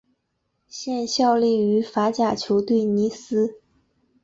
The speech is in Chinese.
现效力于法甲球队尼斯。